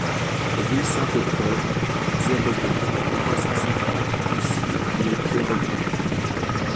Rue Sainte-Preuve, zéro deux, trois cent cinquante Bucy-lès-Pierrepont